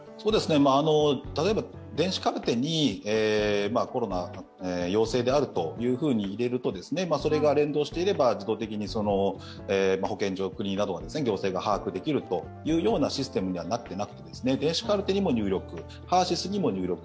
例えば電子カルテにコロナ陽性であるというふうに入れるとそれが連動していれば、自動的に保健所、国など行政が把握できるというシステムにはなっていなくて電子カルテにも入力、ＨＥＲ−ＳＹＳにも入力